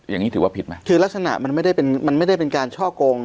อย่างนี้ถือว่าผิดไหมคือลักษณะมันไม่ได้เป็นการช่อกง